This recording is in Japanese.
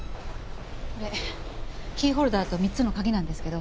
これキーホルダーと３つの鍵なんですけど。